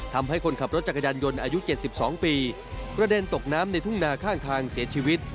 ทำให้คนขับรถจักรยานยนต์อายุ๗๒ปีกระเด็นตกน้ำในทุ่งนาข้างทางเสียชีวิต